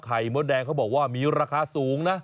มดแดงเขาบอกว่ามีราคาสูงนะ